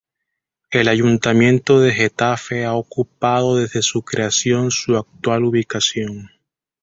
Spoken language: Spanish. El Ayuntamiento de Getafe ha ocupado desde su creación su actual ubicación.